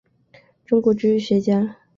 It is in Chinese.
中国植物学家。